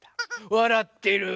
わらってる。